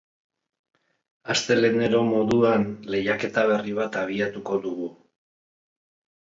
Astelehenero moduan, lehiaketa berri bat abiatuko dugu.